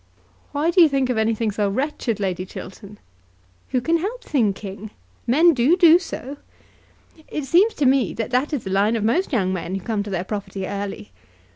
"Why do you think of anything so wretched, Lady Chiltern?" "Who can help thinking? Men do do so. It seems to me that that is the line of most young men who come to their property early.